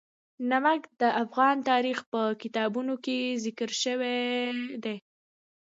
نمک د افغان تاریخ په کتابونو کې ذکر شوی دي.